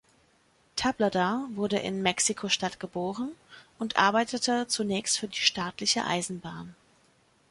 Tablada wurde in Mexiko-Stadt geboren und arbeitete zunächst für die staatliche Eisenbahn.